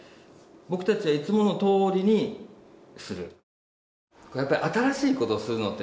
僕たちはいつものとおりにする。